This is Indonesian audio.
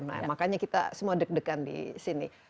nah makanya kita semua deg degan di sini